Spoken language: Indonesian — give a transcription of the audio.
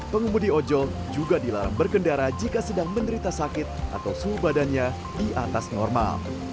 pengemudi ojol juga dilarang berkendara jika sedang menderita sakit atau suhu badannya di atas normal